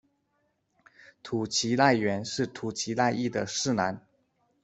土岐赖元是土岐赖艺的四男。